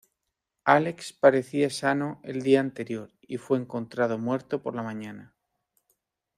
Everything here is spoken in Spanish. Alex parecía sano el día anterior y fue encontrado muerto por la mañana.